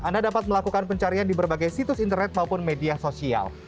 anda dapat melakukan pencarian di berbagai situs internet maupun media sosial